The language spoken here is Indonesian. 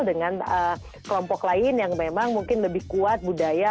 dengan kelompok lain yang memang mungkin lebih kuat budaya